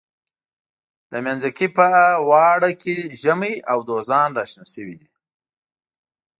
د منځکي په اواړه کې زمۍ او دوزان را شنه شوي دي.